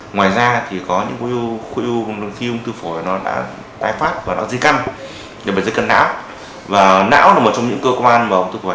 ngoài ra thì có những khối ưu khi ống thư phổi nó đã tái phát và nó dây căn dây căn não và não là một trong những cơ quan mà ống thư phổi